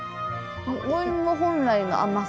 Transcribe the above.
お芋本来の甘さが。